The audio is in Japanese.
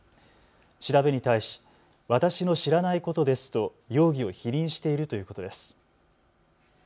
調べに対し、私の知らないことですと容疑を否認しているということです。